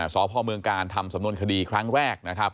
สพเมืองกาลทำสำนวนคดีครั้งแรกนะครับ